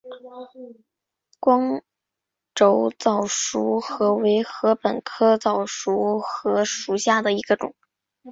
光轴早熟禾为禾本科早熟禾属下的一个种。